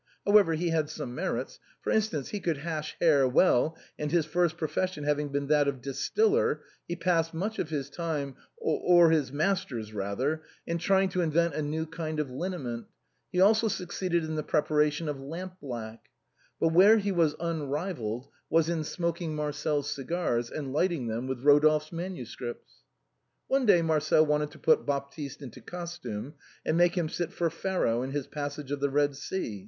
However, he had some merits; for instance, he could hash hare well; and his first profession having been that of distiller, he passed much of his time — or his mas ters', rather — in trying to invent a new kind of liniment; be also succeeded in the preparation of lamp black. But 88 THE BOHEMIANS OF THE LATIN QUAETEB. where he was unrivalled was in smoking Marcel's cigars and lighting them with Rodolphe's manuscripts. One day Marcel wanted to put Baptiste into costume, and make him sit for Pharoah in his " Passage of the Eed Sea."